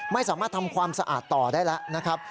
ไม่สามารถทำความสะอาดต่อได้แล้วนะครับ